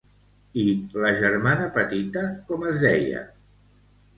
I la germana petita, com es deia?